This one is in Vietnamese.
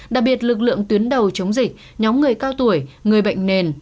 đặc biệt lực lượng tuyến đầu chống dịch nhóm người cao tuổi người bệnh nền